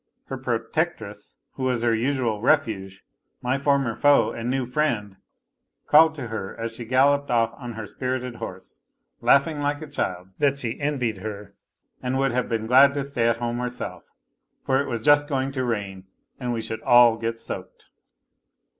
Her protectress, who was her usual refuge, my former foe and new friend, called to her as she galloped off on her spirited horse, laughing like a child, that she envied her and would have been glad to stay at home herself, for it was just going to rain and we should all get soaked.